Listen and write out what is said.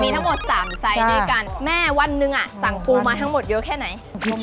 ทั้งหมด๓ไซส์ด้วยกันแม่วันหนึ่งอ่ะสั่งปูมาทั้งหมดเยอะแค่ไหน